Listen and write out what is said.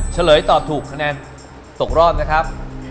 เฉลยตอบถูกณตกรอบ